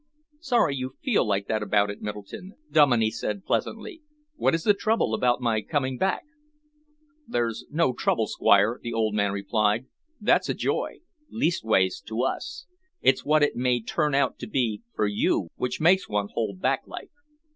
"Sorry you feel like that about it, Middleton," Dominey said pleasantly. "What is the trouble about my coming back?" "That's no trouble, Squire," the old man replied. "That's a joy leastways to us. It's what it may turn out to be for you which makes one hold back like."